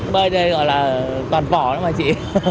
bên đây gọi là toàn phỏ lắm hả chị